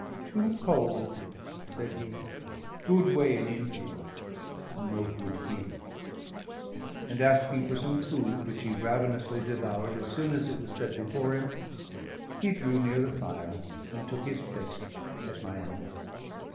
"Too cold," said he, "good way in India, no good here." And, asking for some food, which he ravenously devoured as soon as it was set before him, he drew near to the fire and took his place at my elbow.